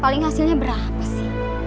paling hasilnya berapa sih